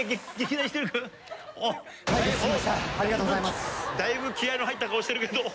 だいぶ気合の入った顔してるけど。